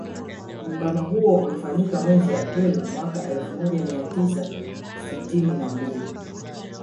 Muungano huo ulifanyika mwezi April mwaka elfu moja mia tisa sitini na mbili